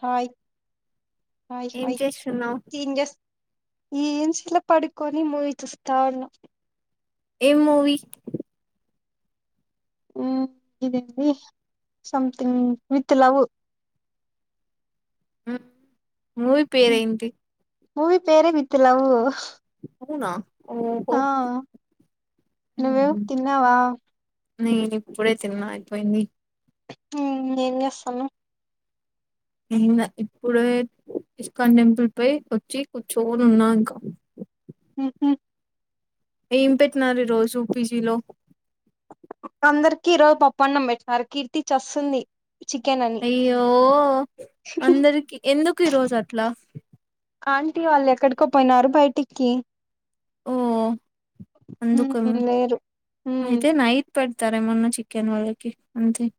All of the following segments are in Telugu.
చాయ్ ఏం చేస్తున్నావు్ ఈ ఏంస్లా పడుకొని మూవీ చూస్తా ఉన్నా ఏ మూవీ ఇదేది సంథింగ్ విత్ లవ్ ఆ మూవి పేరైంది మూవీ పేరే వితిలావఊ అనున ఆ నువ్వే తిన్నావా నేనీప్పుడే తిరున్నాయిపోయింది నేం చేస్తానవ్ ఇకా ఇప్పుడే ఇస్కాన్ టెంపుల్ పై వచ్చి కూచోలు ఉన్నా ఇంకా హ ఏం పెట్టిన ఈ రోజు పీజీలో అందరికి ఈ రరోజు పప్పన్నం పెట్టిారు కీర్తి చస్తుంది చికెన్ అని అయ్యో అందరికి ఎందుకు ఈ రోజు అట్లా ఆంటీ వాళ్ళు ఎక్కడికో పోయినారు బయటికి ఓ అందుక హ్మ్ లేరు హ్మ్ అయితే నైట్ ప తరేమన్న చికెన్ వాళ్లకి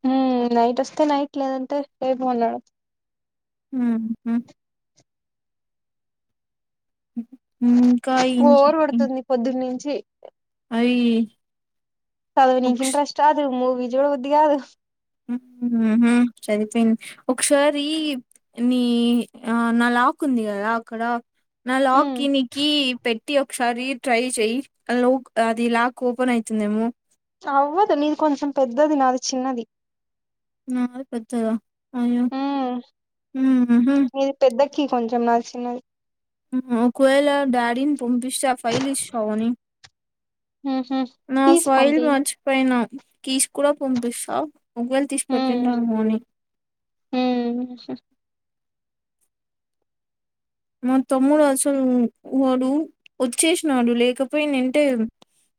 హ నైట్ వస్తే నైట్ లేదంటే స భోలడు హ ఇంకా ఏం చ్ఛీ అయీ చద నం ఇంట్రెస్ట్ అ మూ విజోడ బద్ దు సరిపోయింది ఒకసారి నీ ఆ నా లాక్ ఉంది కదా అక్కడ నా లాక్ ఉమ్ ఇన్ క పెట్ టి ఒకసారి ట్రై చెయయి లో అది లాక్ ఓపెన్ అయితుందేమో అవ్వదు నీది కొంచెం పెద్దది నాది చిన్నది న పెద్దద అయ్యో ఉమ్ చి వేలా డాడీని పంపిస్తే ఆ ఫైల్ ఇస్తావుని ఉహు నా కీస్ ఫైల్ పంపి మర్చిపోన కసు కూడా పంపిస్తా ఉ్లు తీసి ఉమ్ పెెట్టింటాను అని ఉమ్ మా తమ్ముడు అసలు వాడు వచ్చేసినాడు లేకపోయి నింటే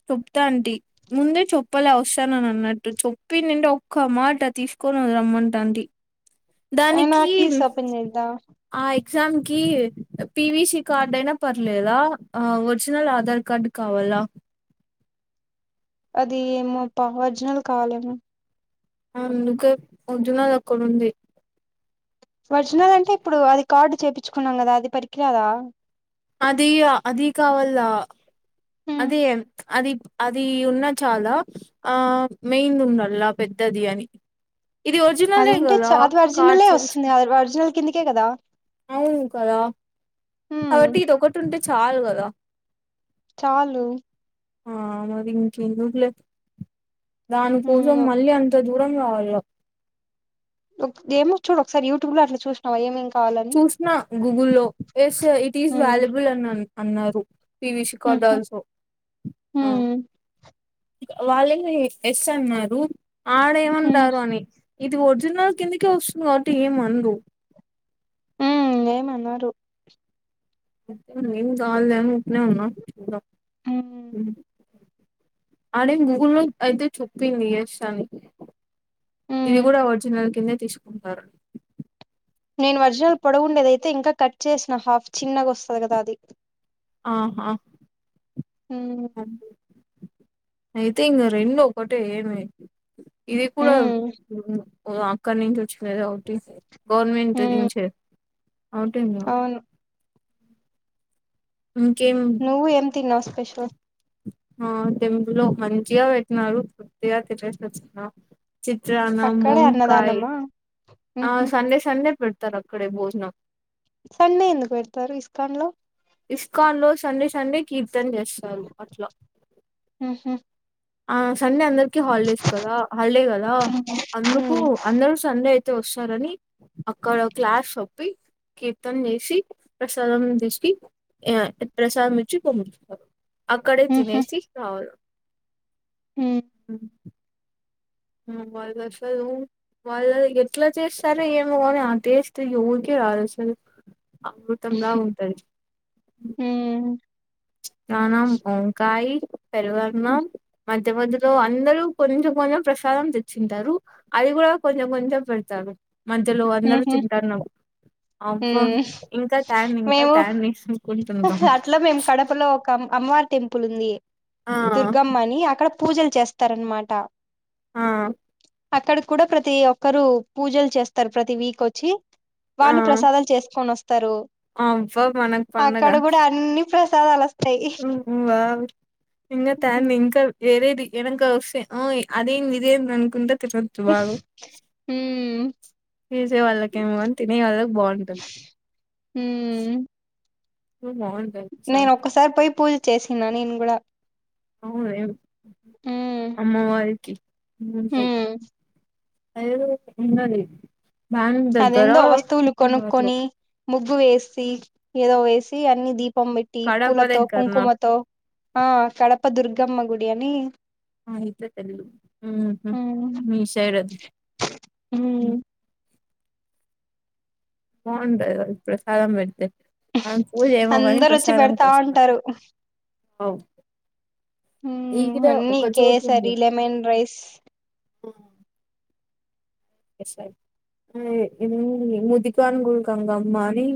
చెప్తా అంటే ముందే చెప్పలే వస్తానని అన్నట్టు చెప్పి నింటే ఒక్క మాట తీసుకోని రమ్మంట అంటంటి అయినా దానికి కీస్ ఓపెన్ చేద్దా ఆ ఎగ్జామ్ కి పివిసి కార్డ్ అయినా పర్లేదా ఒరిజినల్ ఆధార్ కార్డ్ కావాలా అది ఏమో పా ఒరిజినల్ కావాలేమ అందుకే వద్జునాది అక్కడుంది ఒరిజినల్ అంటే ఇప్పుడు అది కార్డు చేయించుకున్నాం కదా అది పరికిరాదా అది అది కావాల ఉమ్ అదే అది అది ఉన్న చాలా ఆ మెయిన్ ఉండల్ల పెద్దది అని ఇది అది ఒరిజినలే ఉంటే కదా చ అది కార్డ్ ఒరిజినలే వస్తుంది చేపించుకో అది ఒరిజినల్ కిన్నిక కద అవును కదా ఉమ్ కాబట్టి ఇదిటి ఉంటే చాలు కదా చాలు ఆ మరి ఇకల దానికోసం ఉమ్ మళ్ళీ అంత దూరం కావాలి వ ఒక ఏమో చూడు ఒకసారి యూట్యూబ్ లో అట్లా చూసావా ఏమమిం చూసిన గూగుల్లో yes it is um valuable అని అను అన్నారు పి ఉహు విషికార్డల్సో ఉమ్ వాళ్ళ ఎస్ అన్నారు ఉమ్ ఆడేమంటారు అని ఇది ఒరిజినల్ కిందకే వస్తుంది కాబట్టి ఏం మందు అే మన్నారు దాల దను ఉప్పునే ఉన్నా హ్మ్ హ ఆడే గూగుల్ ను అయితే చప్పింది యస్ అని ఇది హ్మ్ కూడా ఒరిజినల్ కిందే తీసుకుంటారు నేను ఒరిజినల్ పొడవుండేదైతే ఇంకా కట్ చేసిన హాఫ్ చిన్నగా వస్తుంది కదా అది ఆహా ఉమ్ అయితేంగా రెండ ఒకటే ఏమి ఇది కూడా హ్మ్ ఓ అక్కడని అ గవర్నమెట్ ఇ హ్మ్ అటీ అవును ఇంకేం నువ్ ఎం తిన్నావ్ స్పెషల్ ఆ టెంపులో మంచిగా పెట్టినారు పూర్తిగా తినేసి వచ్చన్నారు చిత్రన్న అక్కడే మొంకాయ అన్నదానమా ఆ ఊహూ సండే సండే పెట్ త్తక్కడ భోజనం సండే ఎందుకు పెడతారు ఇస్కాన్ లో ఇస్కాన్ లో సండే సండే కీర్ ఇథం చేస్తారు అట్లా ఊహూ ఆ సండే అంద హాలిడేస్ కదా హాలిడ్ కదా అందకు హ్మ్ అందరు సండే యి వస్తారని అక్కడ క్లాస్ ఒప్పి కీర్తన చేసి ప్రసాదం తీసుకు ప్రసాదం ఇచ్చి పంపిస్తారు ఆక్కడ ఊహూ తినేసి రావులి హ్మ్ వాళ్ళు అసలు వాళ్ళు ఎట్లా చేస్తారో ఏమ కాని ఆ టెస్ట్ స ఊరిక రాదు అసలు అమృతంలా ఉంటంది హ్మ్ త నాం ఓంకాయి పెరుగన్నం మధ్య మధ్యలో అందరూ కొంచెం కొంచెం ప్రసాదం తెచ్చింటారు అది కూడా కొంచెం కొంచెం పెడతారు మధ్యలో అందరూ ఊహూ తింటారున్నా హ్మ్ ఇంకా ట్యాన్ ఇంకా మేము ట్యాన్ అనుకుంటుంటాం అట్లా మేము కడపలో ఒక అమవార్ టెంపుల్ ఉంది ఆ దుర్గమ్మని అక్కడ పూజలు చేస్తారనమాట ఆ అక్కడ కూడా ప్రతి ఒక్కరు పూజలు చేస్తారు తర్ ప్రతి వీక్ వచ్చి ఆ వాళ్ళు ప్రసాదాలు చేసుకొని వస్తారు అబ్బా మనకు స్తారు పండగ అక్కడ కూడా అన్ని ప్రసదల్ ఉమ్ వావ్ ఇంగా త్యన్ ఇంకా ఎరేది ఏదన్కోస్తే అయ్ అదేంద్ ఇదేందనుకుంట తిటోదు బాగోవ్ ఉమ్ చేసే వాళ్ళకేమో గాని తినే వాళ్ళకి బావుంటది స్ నేన్ ఒక్కసారి పోయ్ పూజ్ చేసిన నేను గూడా అవును రేమ్ అమ్మవారికి గుంటద్ హ్మ్ అదేదో ఉండాలి అదేందో వస్తువులు కొనుక్కొని ముగ్ గు వేసి ఏదో వేసి అన్ని దీప్ పం బెట్టి కడప పూలతో దగ్గరనా కుంకుమతో ఆ కడప్ ప్ప దుర్గమ్మ గుడి అని అయితే తెలిదు ఉహుమ్ హ్మ్ మీ సైడది హ్మ్ ఉమ్ బావుంటది కదా ప్రసాదం పెడితే ఉహ్ ఆమె పూజ ఏమో కాని అందరు వచ్చి ప్రసాదం కోసమే పెడతావుంటారు మ్మ్ ఈడ అన్నీ ఒక చోటు కేసరి లెమన్ రైస్ ఉమ్ ఏ మ్మ్మ్ ముదికను గు గంగమ్మ అని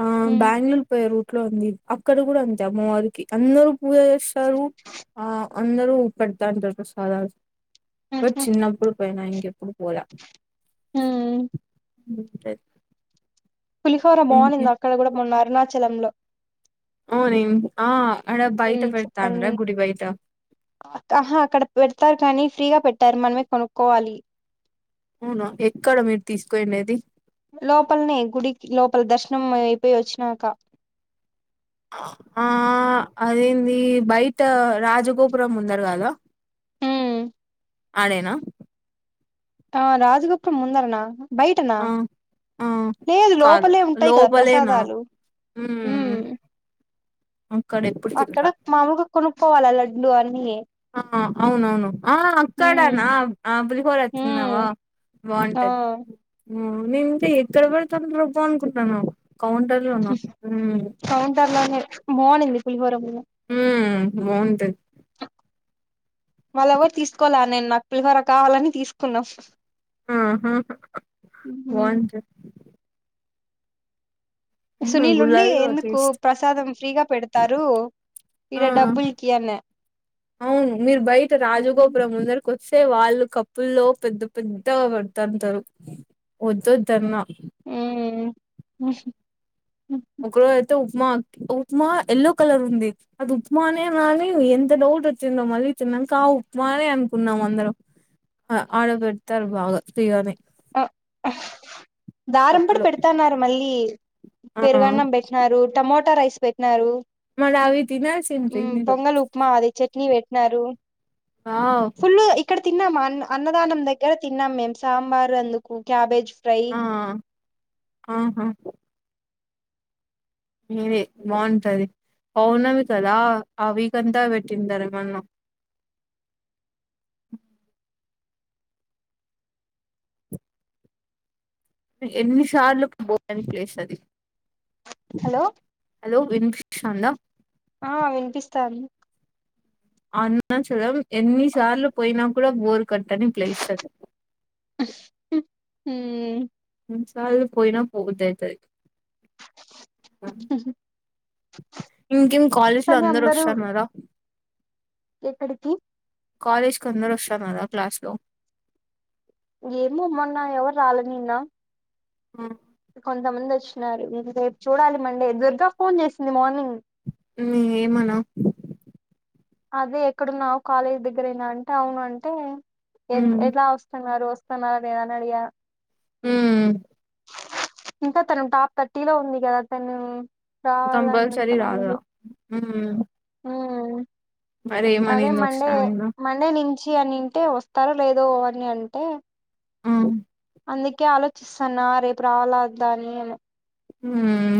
ఆ హ్మ్ బ్యాంగ్లూరు పోయే రూట్ ట్లో ఉంది అక్కడ కూడా అంతే అమ్మవారికి అందరు పూజ జేస్తారు ఆ అందరూ ఊ పెడ్తవుంటారు ప్రసాదాలు బట్ చిన్నప్పుడు పోయినా ఇంక్ ఏప్పుడు పొల హ్మ్ ఉమ్ లేద్ పులిహోర బావున్నింది అక్కడ కూడా మొన్న అరుణ చలమ్లో ఔ నిమ్ ఉమ్ చెప్పన్ నీన్ బయట అక్క హా అక్కడ పెడ్తారు కానీ ఫ్రీగా పెట్టార్ మనమే కొనుక్కోవాలి అవును ఎక్కడ మీరు తీసుకోయిండేది లోపలనే గుడికి లోపల దర్శనం అయిపోయి వచ్చినాక ఆ అదేంది బయట రాజగోపురం ముందర కదా ఉమ్ ఆడేనా ఆ రాజగోపురం ముందారనా బయటనా ఆ ఆ లేదు కాదు లోపలే ఉంటాయి కదా లోపలేనా ప్రసాదాలు మ్మ్ అక్కడ ఎప్పుడు తినలా అక్కడ మామూగా కొను పోాల డ్డూ అని ఆ అవునవును ఆ ఉమ్ అక్కడనా ఆ పులిహోర వస్తున్నావా ఉమ్ ఆ బాగుంటది నేను ఇంకా ఎక్కడ పెడతాను రుబ్బ అనుకుంటన్నానువు కౌంటర్ లోను భా అ ఇంది పులిహోర అ ఉవుంది వాళ్ళ ఎవరు తీసుకోవాల నేను నక్కిలికర కావాలని తీసుకున్నాం ఆ ఉమ్ బంట ఉహు సునీల్ ఉండి గుళ్ళల్లో ఎందుకు టేస్ట్ ప్రసాదం ఫ్రీగా పెడతారు ఇడ ఆ డబ్బులకి అన్న సే వాళ్ళు కప్పుల్లో పెద్ద పెద్ద పడుతుంటారు వద్దొద్దన్న ఆ ఒకరోోజ అయితే ఉప్మా ఉప్మా ఎయల్లో కలర్ ఉంది అది ఉప్మానే అని ఎంత డౌట్ వచ్చిందో మళ్ళీ తిన్నాక ఆ ఉప్మానే అనుకున్నాం అందరం ఆడ పెడతారు బాగా ఫీగానే ఆ దారం కూడా కప్పులో పెడతాన్నారు మళ్ళీ ఆ పెరుగన్నం పెట్టినారు టమమాటా రైస్ పెట్టినన్నారు మరి అవి తినాల్సిండ్రి మీరు పొంగలి ఉప్మా అదిే చట్నీ పెట్టిన వావ్ ఫుల్ ఇక్కడ తిన్నా మా అన్న అన్నదానం దగ్గర తిన్నాం మేము సాంబార్ ఎందుకు క్యాబేజ్ ఫ్రై ఆ ఆహా అదే బాగుంటది అవునవి కదా ఆ వీక అంతా పెట్టింటారు మన్న ఎన్నిసార్లకు పోని ప్లేస్ అది హలో హలో విం ాంలో ఆ వినిపిస్తాను అన్న చద ఎన్ని సార్లు పోయినా కూడా బోరు కట్టని ప్లస్తుంది హ ఎన్ని సార్లు పోయినా పోదాయితు ఇంకేం కాలేజ్ లో కానీ అందరుూ అందరూ వస్తన్నారా ఎక్కడికి కాలేజ్ కి అందరూ వస్తున్నారా క్లాస్ లో ఏమో మొన్న ఎవరు రాలే నిన్న ఆ కొంతమంది వచ్చినారు ఇం రేపు చూడాలి మండే దుర్గ ఫోన్ చేసింది మార్నింగ్ న ఏమనా అదే ఎక్కడున్నా కాలేజ్ దగ్గరయినా అంటే అవున అంటే ఎ ఉమ్ ఎట్లా వస్తున్నారు సన్నాల అదేదనాడియా హ ఇంకా తనం టాప్ థర్టీ లో ఉంది కదా తను రావాలన్న కంపల్సరీ కదా ముందు రావాలా ఉమ్, మరి అదే ఏమనింది మండే ఒకసా ఆయనా మండే నుంచి అనింటే వస్తార లేదో అవని అంటే ఆ అందుకే ఆలోచిస్తాన్నా రేపు రావాల వద్ద అని అని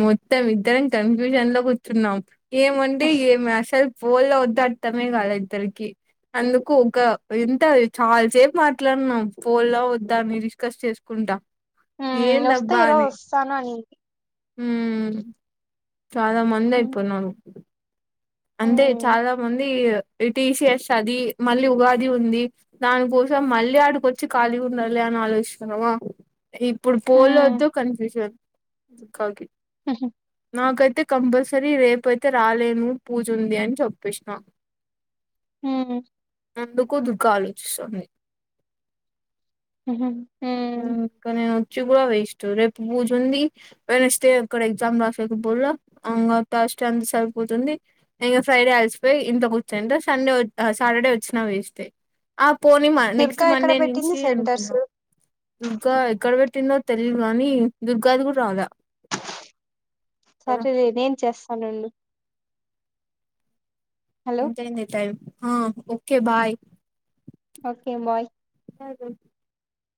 మొత్తం ఇద్దరం కన్ఫ్యూజన్ లో కూర్చున్నాం ఏమంటే ఏమి అసలు ఫోన్ లో వద్ద అర్థమే కాదా ఇద్దరికి అందుకు ఒక ఇంత చాలాసేపు మాట్లాడున్నాం ఫోన్ లో వద్దా అని డిస్కస్ చేసుకుంటా హ వస్తే ఇరోజ్ వస్తానని హ చాలా మందా ఉమ్, ఇపోడు న అంటే ఉమ్, చాలా మందిటీసఎస్ అది మళ్ళీ ఉగాది ఉంది దాని కోసం మళ్ళీ ఆడికొచ్చి ఖాళీ ఉండాలి అని ఆలోచిస్తున్నామా ఇప్పుడు ఉమ్, పోలద్దు కన్ఫ్యూషన్ కాకి ఆహా నాకైతే కంపల్సరీ రేపు అయితే రాలేను పూజుంది అని చెప్పేసిన హ ఎందుకు దుఃఖ ఆలోచిస్తుంది హ ఇంకా నేను వచ్చి కూడా వేస్ట్ రేపు పూజ ఉంది వెనస్డే ఇక్కడ ఎగ్జామ్ రాసేకపోలా ఇకా ఫస్ట్ అంత సరిపోతుంది ఇం ఫ్రైడే అలిసిపోయి ఇంత కూర్చాంట సండే సాటర్డే వచ్చిన వేస్ట్ పోని మా నెక్స్ట్ దుర్గా ఎక్కడ మండే నుంచి పెట్టింది సెంటర్స్ అనుకున్నాం దుర్గా ఎక్కడ పెట్టిందో తెలియదు గానీ దుర్గాది కూడా రాలా కదా సరే నేం చేస్త అనలు ఎంత ఎందితాయి హ ఓకే బాయ్ ఓకే బాయ్ తాగు